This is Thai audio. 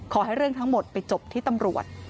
ขอให้เรื่องทั้งหมดไปจบที่ตำรวจ